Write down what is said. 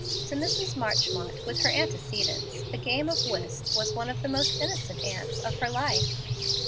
To Mrs. Marchmont, with her antecedents, a game of whist was one of the most innocent ants of her life.